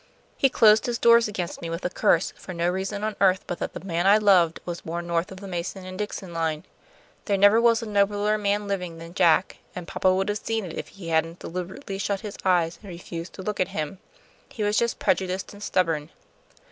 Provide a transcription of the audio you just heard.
He closed his doors against me with a curse, for no reason on earth but that the man I loved was born north of the Mason and Dixon line. There never was a nobler man living than Jack, and papa would have seen it if he hadn't deliberately shut his eyes and refused to look at him. He was just prejudiced and stubborn."